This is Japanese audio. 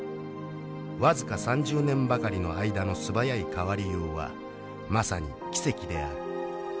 僅か３０年ばかりの間の素早い変わりようはまさに奇跡である。